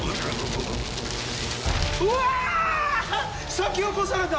先を越された！